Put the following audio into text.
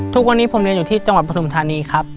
ทุกวันนี้ผมเรียนอยู่ที่จังหวัดปฐุมธานีครับ